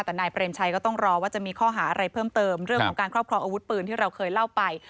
แต่นายเปรมชัยก็ต้องรอว่าจะมีข้อหาอะไรเพิ่มเติมเรื่องของการครอบครองอาวุธปืนที่เราเคยเล่าไป